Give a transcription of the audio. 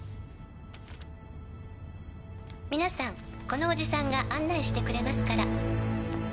「皆さんこのおじさんが案内してくれますから」